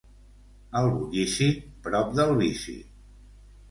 El bullici, prop del vici.